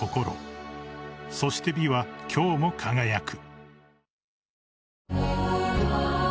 ［そして美は今日も輝く］